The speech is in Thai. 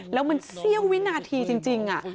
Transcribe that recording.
แล้วมันเสี้ยววินาทีจริง